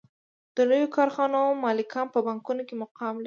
د لویو کارخانو مالکان په بانکونو کې مقام لري